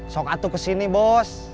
sokatu kesini bos